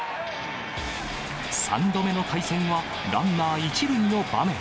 ３度目の対戦は、ランナー１塁の場面。